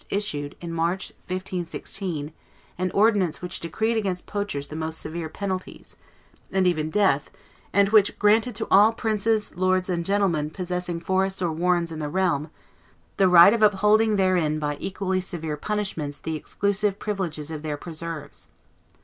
issued, in March, 1516, an ordinance which decreed against poachers the most severe penalties, and even death, and which "granted to all princes, lords, and gentlemen possessing forests or warrens in the realm, the right of upholding therein by equally severe punishments the exclusive privileges of their preserves."